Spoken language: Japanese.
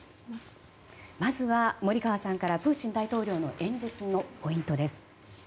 まずは森川さんからプーチン大統領の演説のポイントです。